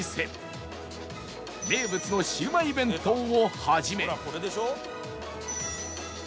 名物のシウマイ弁当を始め